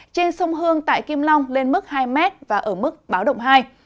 trên sông hương tại kim long lên mức hai m và ở mức báo động hai